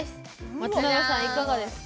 松永さん、いかがですか？